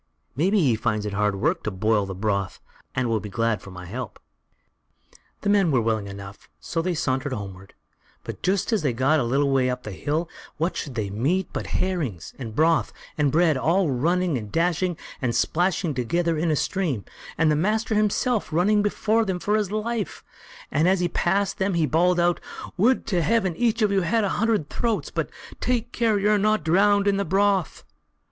Maybe he finds it hard work to boil the broth, and will be glad of my help." The men were willing enough, so they sauntered homeward; but just as they had got a little way up the hill, what should they meet but herrings, and broth, and bread, all running and dashing, and splashing together in a stream, and the master himself running before them for his life, and as he passed them he bawled out: "Would to heaven each of you had a hundred throats! but take care you're not drowned in the broth."